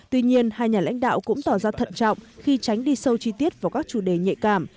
tuy nhiên hai nhà lãnh đạo cũng tỏ ra thận trọng khi tránh đi sâu chi tiết vào các chủ đề nhạy cảm